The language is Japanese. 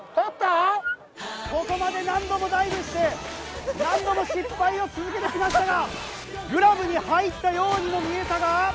ここまで何度もダイブして何度も失敗を続けてきましたがグラブに入ったようにも見えたが。